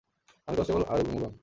আমি কনস্টেবল আরুমুগাম।